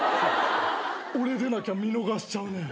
俺でなきゃ見逃しちゃうね。